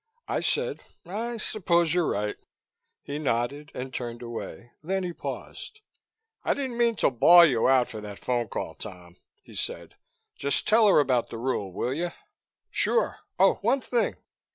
I said, "I suppose you're right." He nodded, and turned away. Then he paused. "I didn't mean to bawl you out for that phone call, Tom," he said. "Just tell her about the rule, will you?" "Sure. Oh, one thing."